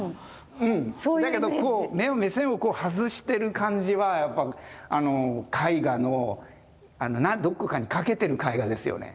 だけど目線を外してる感じはやっぱ絵画のどこかに掛けてる絵画ですよね。